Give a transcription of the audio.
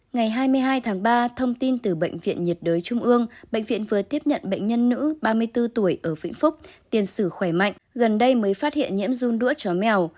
ngày hai mươi hai tháng ba thông tin từ bệnh viện nhiệt đới trung ương bệnh viện vừa tiếp nhận bệnh nhân nữ ba mươi bốn tuổi ở vĩnh phúc tiền sử khỏe mạnh gần đây mới phát hiện nhiễm run đũa chó mèo